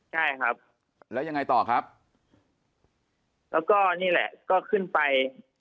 กล่ะไงต่อครับนี่แหละก็ขึ้นไป